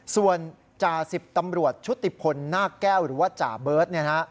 ส่วนจ่าสิบตำรวจชุติพลนาคแก้วหรือว่าจ่าเบิร์ต